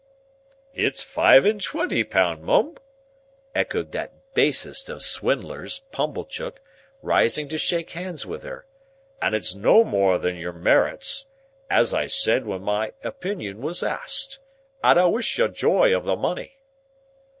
"It's five and twenty pound, Mum," echoed that basest of swindlers, Pumblechook, rising to shake hands with her; "and it's no more than your merits (as I said when my opinion was asked), and I wish you joy of the money!"